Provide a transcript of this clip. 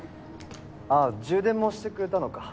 あっ充電もしてくれたのか。